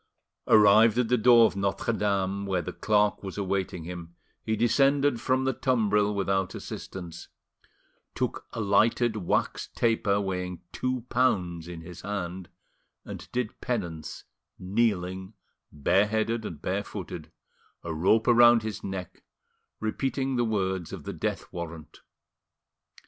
Arrived at the door of Notre Dame, where the clerk was awaiting him, he descended from the tumbril without assistance, took a lighted wax taper weighing two pounds in his hand, and did penance, kneeling, bareheaded and barefooted, a rope round his neck, repeating the words of the death warrant.